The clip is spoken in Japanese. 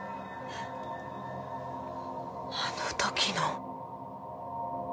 あの時の！？